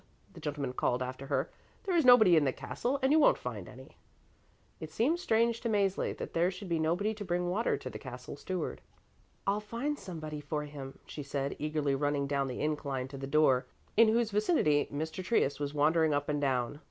the gentleman called after her. "There is nobody in the castle, and you won't find any." It seemed strange to Mäzli that there should be nobody to bring water to the Castle Steward. "I'll find somebody for him," she said, eagerly running down the incline to the door, in whose vicinity Mr. Trius was wandering up and down.